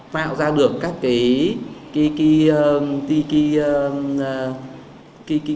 tạo ra được các cái